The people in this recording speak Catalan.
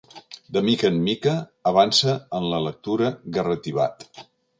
De mica en mica, avança en la lectura garratibat.